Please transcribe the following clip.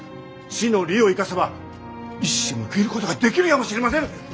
地の利を生かせば一矢報いることができるやもしれませぬ！